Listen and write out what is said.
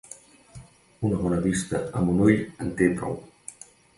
La bona vista amb un ull en té prou.